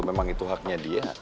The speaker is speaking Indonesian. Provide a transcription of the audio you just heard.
memang itu haknya dia